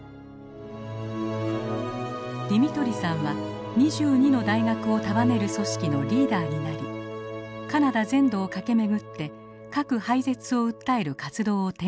ディミトリさんは２２の大学を束ねる組織のリーダーになりカナダ全土を駆け巡って核廃絶を訴える活動を展開していたのです。